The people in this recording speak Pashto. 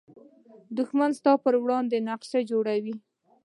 دښمن ستا پر وړاندې نقشه جوړوي